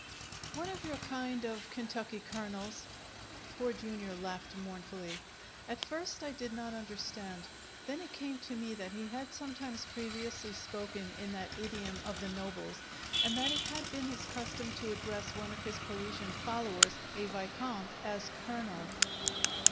"One of your kind of Kentucky Colonels," Poor Jr. laughed mournfully. At first I did not understand; then it came to me that he had sometimes previously spoken in that idiom of the nobles, and that it had been his custom to address one of his Parisian followers, a vicomte, as "Colonel."